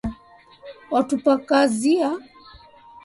Una maneno machafu watupakazia.